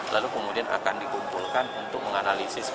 lalu kemudian akan dikumpulkan untuk menganalisis